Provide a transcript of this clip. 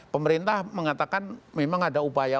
pemerintah mengatakan memang ada upaya